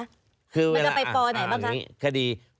มันจะไปปไหนบ้างคะ